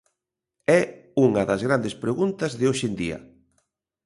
É unha das grandes preguntas de hoxe en día.